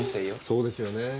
そうですよねぇ。